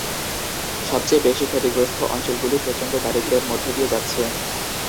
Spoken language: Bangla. সবচেয়ে বেশি ক্ষতিগ্রস্থ অঞ্চলগুলি প্রচন্ড দারিদ্র্যের মধ্যে দিয়ে যাচ্ছে।